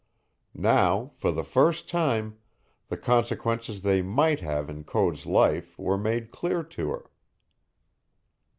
Now, for the first time, the consequences they might have in Code's life were made clear to her.